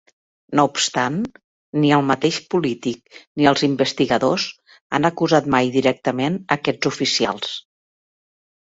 No obstant, ni el mateix polític ni els investigadors han acusat mai directament aquests oficials.